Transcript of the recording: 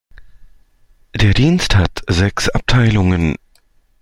Der Dienst hat sechs Abteilungen.